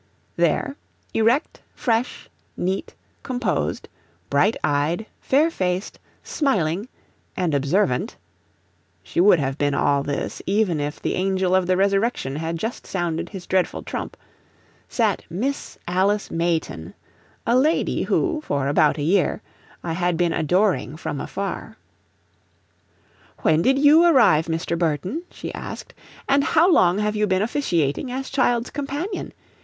There, erect, fresh, neat, composed, bright eyed, fair faced, smiling and observant, she would have been all this, even if the angel of the resurrection had just sounded his dreadful trump, sat Miss Alice Mayton, a lady who, for about a year, I had been adoring from afar. "When did YOU arrive, Mr. Burton?" she asked, "and how long have you been officiating as child's companion?